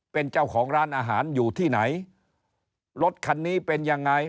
เป็นเจ้าของร้านอาหารอยู่ที่ไหนรถคันนี้เป็นยังไง